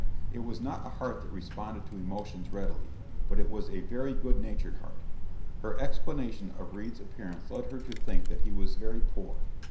It was not a heart that responded to emotions readily, but it was a very good natured heart. Her explanation of Reade's appearance led her to think that he was very poor.